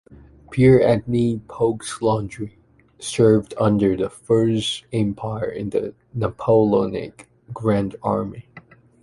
Pierre-Étienne Poux-Landry served under the First Empire in the Napoleonic Grand Army.